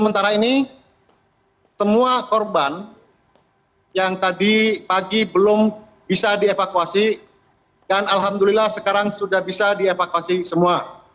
sementara ini semua korban yang tadi pagi belum bisa dievakuasi dan alhamdulillah sekarang sudah bisa dievakuasi semua